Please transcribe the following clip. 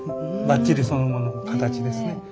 ばっちりそのものの形ですね。